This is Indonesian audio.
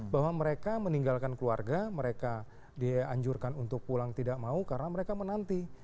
bahwa mereka meninggalkan keluarga mereka dianjurkan untuk pulang tidak mau karena mereka menanti